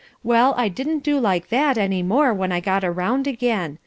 Well, I didn't do like that any more when I got around again.